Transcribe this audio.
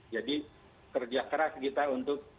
jadi kerja keras kita untuk